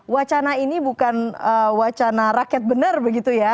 wacana ini bukan wacana rakyat benar begitu ya